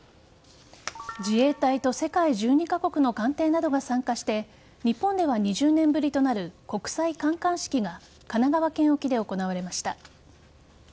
自衛隊と世界１２カ国の艦艇などが参加して日本では２０年ぶりとなる国際観艦式が神奈川県沖で行われました。